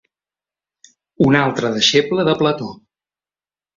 Un altre deixeble de Plató.